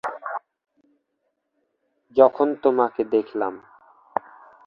যখন তোমাকে দেখলাম।